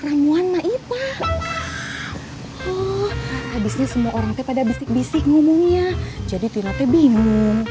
ramuan maipa habisnya semua orang pada bisik bisik ngomongnya jadi tinate bingung